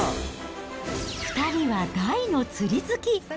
２人は大の釣り好き。